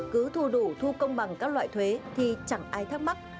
cứ thu đủ thu công bằng các loại thuế thì chẳng ai thắc mắc